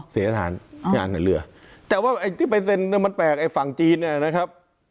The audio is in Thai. สถานงานในเรือแต่ว่าไอ้ที่ไปเซ็นมันแปลกไอ้ฝั่งจีนเนี่ยนะครับ